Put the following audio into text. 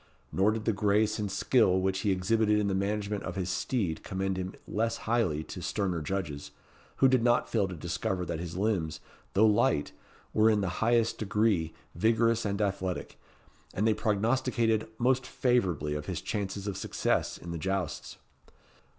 Nor did the grace and skill which he exhibited in the management of his steed commend him less highly to sterner judges, who did not fail to discover that his limbs, though light, were in the highest degree vigorous and athletic, and they prognosticated most favourably of his chances of success in the jousts.